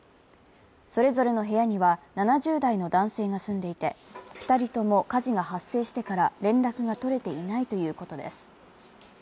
それぞれの部屋には７０代の男性が住んでいて、２人とも火事が発生してから連絡が取れていないということです。